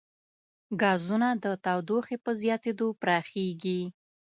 ګازونه د تودوخې په زیاتېدو پراخېږي.